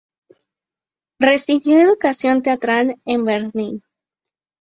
Recibió educación teatral en Berlín.